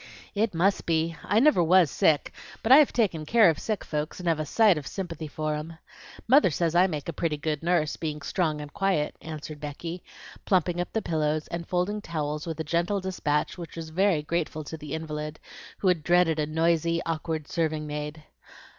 "It must be! I never was sick, but I have taken care of sick folks, and have a sight of sympathy for 'em. Mother says I make a pretty good nurse, being strong and quiet," answered Becky, plumping up pillows and folding towels with a gentle despatch which was very grateful to the invalid, who had dreaded a noisy, awkward serving maid.